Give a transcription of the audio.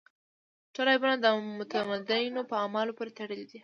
ټول عیبونه د متدینو په اعمالو پورې تړلي دي.